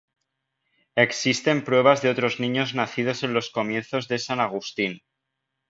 Existen pruebas de otros niños nacidos en los comienzos de San Agustín.